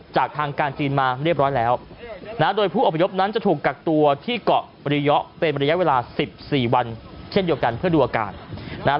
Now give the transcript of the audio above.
จากทางการจีนมาเรียบร้อยแล้วนะโดยผู้อพยพนั้นจะถูกกักตัวที่เกาะบริเยาะเป็นระยะเวลาสิบสี่วันเช่นเดียวกันเพื่อดูอาการนะฮะ